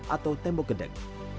atau tembok gedeg